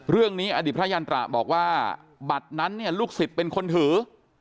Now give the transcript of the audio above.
อดีตพระยันตระบอกว่าบัตรนั้นเนี่ยลูกศิษย์เป็นคนถือ